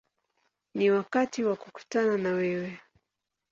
Ni wakati wa kukutana na wewe”.